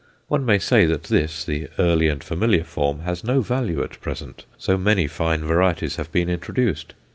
One may say that this, the early and familiar form, has no value at present, so many fine varieties have been introduced.